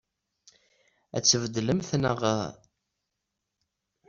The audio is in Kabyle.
Ad tt-tbeddlemt, naɣ?